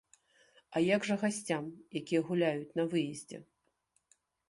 А як жа гасцям, якія гуляюць на выездзе?